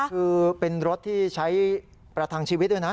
คือเป็นรถที่ใช้ประทังชีวิตด้วยนะ